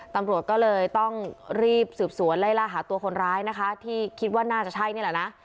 ตำรวจก็เลยต้องรีบสืบสวนไล่ล่าหาตัวคนร้ายนะคะที่คิดว่าน่าจะใช่นี่แหละนะ